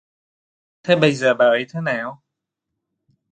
Thế bây giờ bà ấy thế nào